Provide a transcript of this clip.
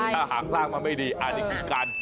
ถ้าหักสร้างมันไปดีอริกิรการ